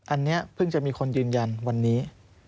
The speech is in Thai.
อันนี้เพิ่งจะมีคนยืนยันวันนี้